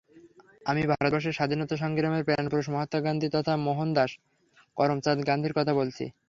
আমি ভারতবর্ষের স্বাধীনতাসংগ্রামের প্রাণপুরুষ মহাত্মা গান্ধী, তথা মোহনদাস করমচাঁদ গান্ধীর কথা বলছি।